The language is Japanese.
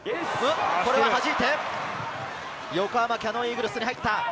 これははじいて、横浜キヤノンイーグルスに入った。